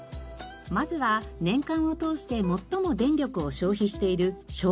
まずは年間を通して最も電力を消費している照明。